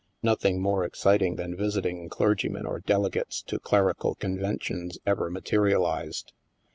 Nothing more exciting than visit ing clergymen or delegates to clerical conventions ever materialized.